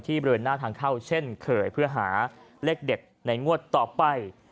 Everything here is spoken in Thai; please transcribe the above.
บริเวณหน้าทางเข้าเช่นเคยเพื่อหาเลขเด็ดในงวดต่อไป